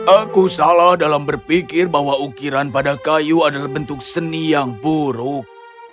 aku salah dalam berpikir bahwa ukiran pada kayu adalah bentuk seni yang buruk